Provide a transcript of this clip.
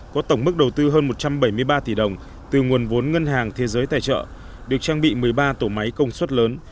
có tổng mức đầu tư hơn một trăm bảy mươi ba tỷ đồng từ nguồn vốn ngân hàng thế giới tài trợ được trang bị một mươi ba tổ máy công suất lớn